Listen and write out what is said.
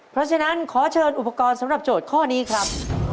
เพราะฉะนั้นขอเชิญอุปกรณ์สำหรับโจทย์ข้อนี้ครับ